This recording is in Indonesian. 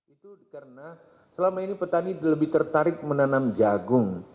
itu karena selama ini petani lebih tertarik menanam jagung